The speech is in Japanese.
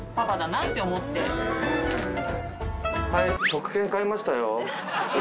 食券買いましたよ。